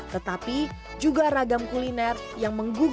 tetapi juga ragam kuliner yang menggugat